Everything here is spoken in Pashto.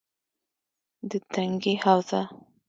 - د تنگي حوزه: